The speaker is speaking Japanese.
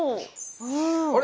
あれ？